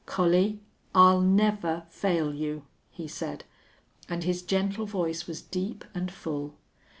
"Collie, I'll never fail you," he said, and his gentle voice was deep and full.